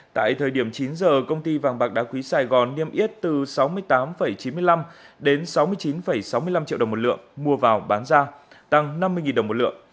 tại thời điểm chín giờ công ty vàng bạc đá quý sài gòn niêm yết từ sáu mươi tám chín mươi năm đến sáu mươi chín sáu mươi năm triệu đồng một lượng mua vào bán ra tăng năm mươi đồng một lượng